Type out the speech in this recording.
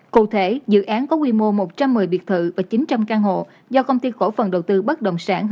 cụ thể dự án có quy mô một trăm một mươi biệt thự và chín trăm linh căn hộ do công ty cổ phần đầu tư bất đồng sản